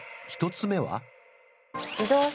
１つ目は？